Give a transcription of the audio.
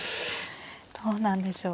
どうなんでしょう。